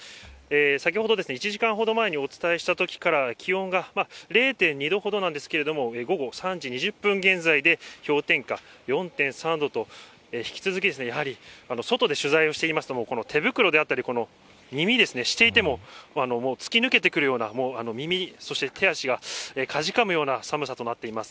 先ほど１時間ほど前にお伝えしたときから、気温が０．２度ほどなんですけど、午後３時２０分現在で氷点下４．３度と、引き続きやはり、外で取材していますと、手袋であったり、耳ですね、していても、もう突き抜けてくるような、耳、そして手足がかじかむような寒さとなっています。